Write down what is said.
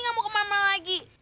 gak mau kemana lagi